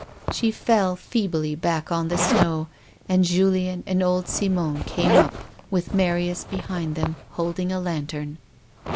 She fell feebly back on the snow, and Julien and old Simon came up, with Marius behind them holding a lantern.